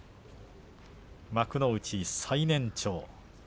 幕内最年長。